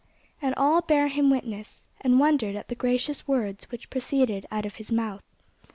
And all bare him witness, and wondered at the gracious words which proceeded out of his mouth.